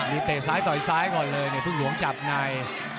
มีเตะซ้ายต่อยซ้ายก่อนเลยเนี่ยพึ่งหลวงจับใน